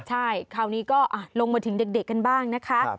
ใช่คราวนี้ก็ลงมาถึงเด็กกันบ้างนะคะ